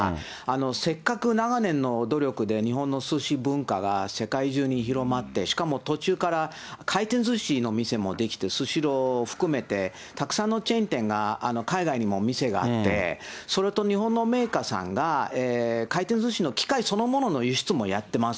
せっかく長年の努力で日本のすし文化が世界中に広まって、しかも、途中から回転ずしの店も出来て、スシローを含めて、たくさんのチェーン店が、海外にも店があって、それと日本のメーカーさんが回転ずしの機械そのものの輸出もやってます。